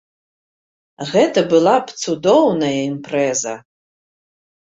Гэта была б цудоўная імпрэза!